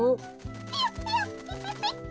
ピヨピヨピピピ。